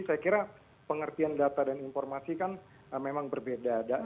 saya kira pengertian data dan informasi kan memang berbeda